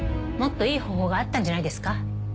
もっといい方法があったんじゃないですか？